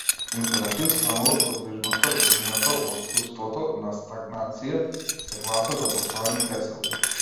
Императив станува подвижноста, брзината, отуството на стагнација, се гласа за постојани преселби.